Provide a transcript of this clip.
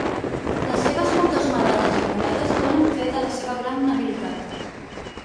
Les seves moltes medalles i monedes donen fe de la seva gran habilitat.